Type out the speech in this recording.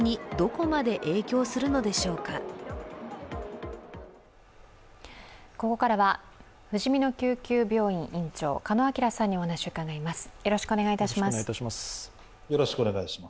ここからはふじみの救急病院院長、鹿野晃さんにお話を伺います。